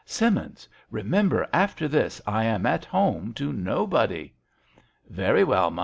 " Simmins, remember after this I am at home to nobody." "Very well, m'm.